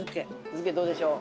漬けどうでしょう？